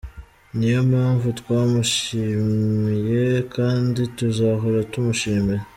Niyo mpamvu twamushimiye kandi tuzahora tumushimira.